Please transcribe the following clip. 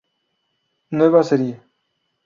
Nueva Serie.